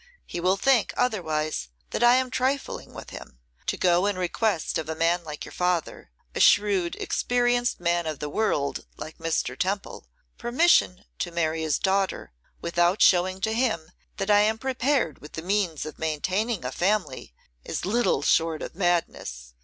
He will think, otherwise, that I am trifling with him. To go and request of a man like your father, a shrewd, experienced man of the world like Mr. Temple, permission to marry his daughter, without showing to him that I am prepared with the means of maintaining a family, is little short of madness.